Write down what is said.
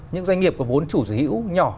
những doanh nghiệp có vốn chủ sở hữu nhỏ